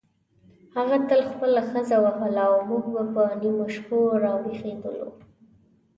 هغه تل خپله ښځه وهله او موږ به په نیمو شپو راویښېدلو.